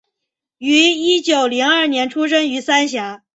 於一九零二年出生于三峡